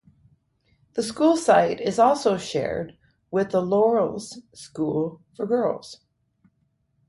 The school site is also shared with The Laurels School for girls.